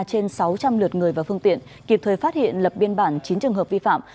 trên sáu trăm linh lượt người và phương tiện kịp thời phát hiện lập biên bản chín trường hợp vi phạm